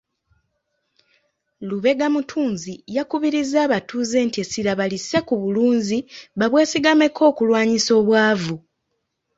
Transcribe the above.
Lubega Mutunzi yakubirizza abatuuze nti essira balisse ku bulunzi babwesigameko okulwanyisa obwavu.